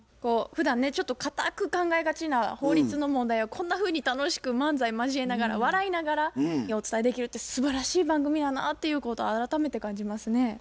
ふだんねちょっとかたく考えがちな法律の問題をこんなふうに楽しく漫才交えながら笑いながらお伝えできるってすばらしい番組やなっていうことを改めて感じますね。